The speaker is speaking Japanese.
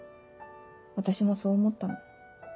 私もそう思ったの。